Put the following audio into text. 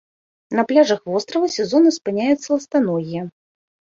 На пляжах вострава сезонна спыняюцца ластаногія.